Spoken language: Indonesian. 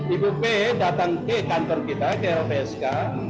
ibu p datang ke kantor kita ke lpsk